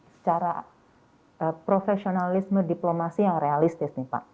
secara profesionalisme diplomasi yang realistis nih pak